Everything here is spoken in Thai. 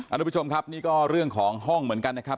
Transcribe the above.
ทุกผู้ชมครับนี่ก็เรื่องของห้องเหมือนกันนะครับ